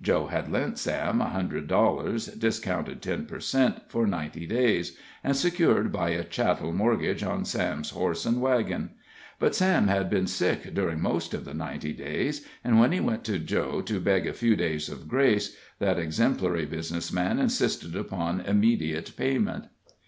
Joe had lent Sam a hundred dollars, discounted ten per cent, for ninety days, and secured by a chattel mortgage on Sam's horse and wagon. But Sam had been sick during most of the ninety days, and when he went to Joe to beg a few days of grace, that exemplary business man insisted upon immediate payment.